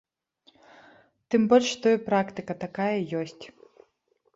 Тым больш, што і практыка такая ёсць.